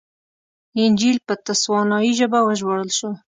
انجییل په تسوانایي ژبه وژباړل شو.